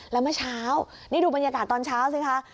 แล้วเมื่อเช้านี่ดูบรรยากาศตอนเช้าสิคะ